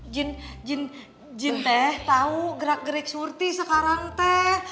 jin jin jin teh tahu gerak gerik surti sekarang teh